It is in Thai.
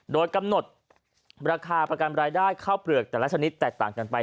โดยกำหนดราคาประกันรายได้ข้าวเปลือกแต่ละชนิดแตกต่างกันไป